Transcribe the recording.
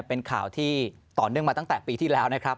เป็นข่าวที่ต่อเนื่องมาตั้งแต่ปีที่แล้วนะครับ